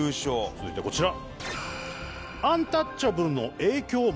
続いてこちら。